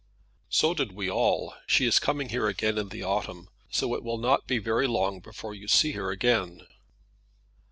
"So did we all. She is coming here again in the autumn; so it will not be very long before you see her again."